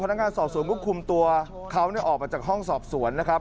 นักงานสอบสวนก็คุมตัวเขาออกมาจากห้องสอบสวนนะครับ